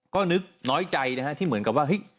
ก็นึกน้อยใจนะที่เหมือนกับว่า